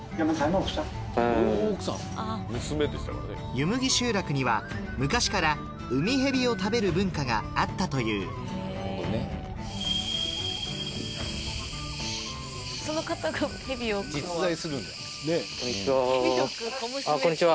湯向集落には昔からウミヘビを食べる文化があったというこんにちはあっこんにちは。